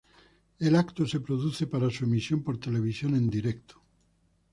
El evento se produce para su emisión por televisión en directo.